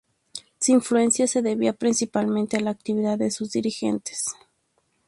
Su influencia se debía principalmente a la actividad de sus dirigentes.